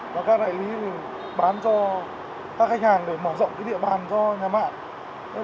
và các đại lý bán cho các khách hàng để mở rộng địa bàn cho nhà mạng